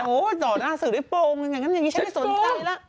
โอ้วจอดร่าสื่อได้โปรงอย่างนั้นคงไม่สนใจล่ะ